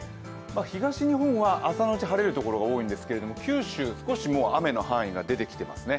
東日本は朝のうち晴れるところが多いんですけれども、九州、少しもう雨の範囲が出てきていますね。